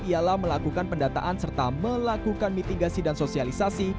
ialah melakukan pendataan serta melakukan mitigasi dan sosialisasi